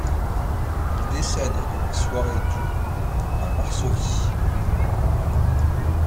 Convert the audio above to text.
Il décède dans la soirée du à Varsovie.